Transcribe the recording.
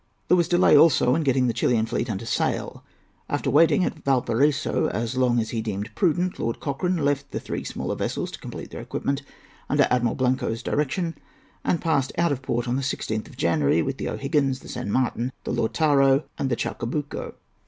There was delay, also, in getting the Chilian fleet under sail. After waiting at Valparaiso as long as he deemed prudent, Lord Cochrane left the three smaller vessels to complete their equipment under Admiral Blanco's direction, and passed out of port on the 16th of January, with the O'Higgins, the San Martin, the Lautaro, and the Chacabuco.